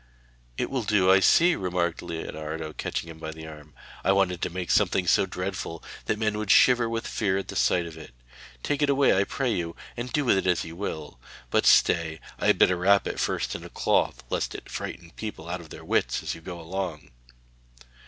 'It will do, I see,' remarked Leonardo, catching him by the arm. 'I wanted to make something so dreadful that men would shiver with fear at the sight of it. Take it away, I pray you, and do with it as you will. But stay, I had better wrap it first in a cloth, lest it should frighten people out of their wits as you go along.'